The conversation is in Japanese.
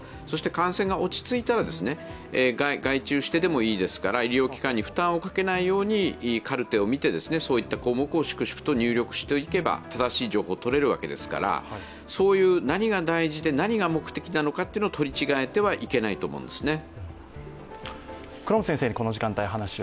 感染が落ち着いたら外注してでもいいですから医療機関に負担をかけないようにカルテを見てそういった項目を粛々と入力していけば正しい情報がとれるわけですから何が大事で何が目的なのか取り違えてはいけないと思うんですね。